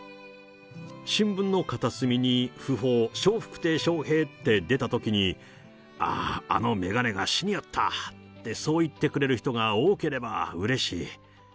新聞の片隅に訃報、笑福亭笑瓶って出たときに、ああ、あの眼鏡が死によったって、そう言ってくれる人が多ければうれしい。